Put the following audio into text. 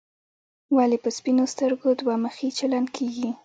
ولې په سپینو سترګو دوه مخي چلن کېږي.